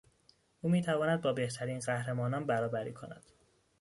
او میتواند با بهترین قهرمانان برابری کند.